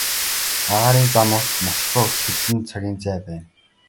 Агаарын зам урт, Москва хүртэл хэдэн цагийн зай байна.